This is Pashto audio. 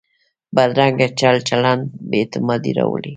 بدرنګه چل چلند بې اعتمادي راولي